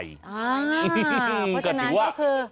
เพราะฉะนั้นก็คือ